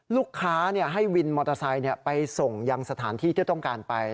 ลูกค้าให้วินมอเตอร์ไซค์ไปส่งยังสถานที่ที่ต้องการไป